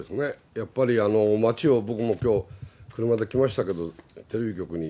やっぱり街を僕もきょう、車で来ましたけれど、テレビ局に。